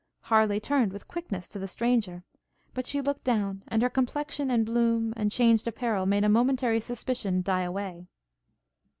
Harleigh turned with quickness to the stranger; but she looked down, and her complexion, and bloom, and changed apparel, made a momentary suspicion die away.